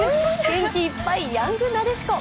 元気いっぱいヤングなでしこ。